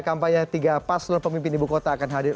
kampanye tiga paslon pemimpin ibu kota akan hadir